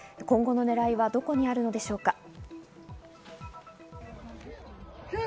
今後の狙いはどこにあるのでしょうか。